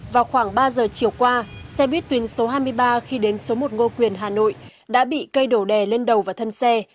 vào khoảng ba giờ chiều qua xe buýt tuyến số hai mươi ba khi đến số một ngô quyền hà nội đã bị cây đổ đè lên đầu vào thân xe